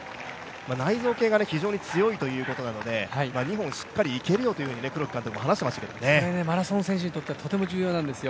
内臓系がすごく強いということですので、２本いけるよと話していましたけどマラソン選手にとってはとても重要なんですよ。